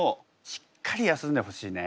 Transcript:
しっかり休んでほしいね。